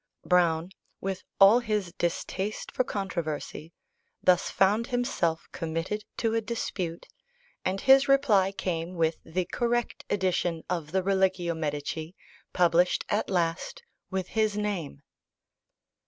Browne, with all his distaste for controversy, thus found himself committed to a dispute, and his reply came with the correct edition of the Religio Medici published at last with his name.